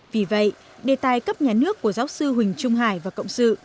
vì vậy đề tài cấp nhà nước của giáo sư huỳnh trung hải và cộng sự